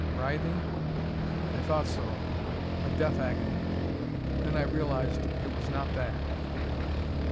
Writhing? I thought so: a death agony. Then I realized it was not that.